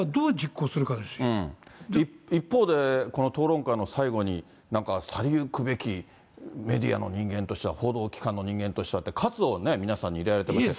問題はど一方で、この討論会の最後に、なんか去り行くべきメディアの人間としては、報道機関の人間としてはと、喝を皆さんに入れられてましたけど。